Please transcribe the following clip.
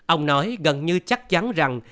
ông nói gần như chắc chắn rằng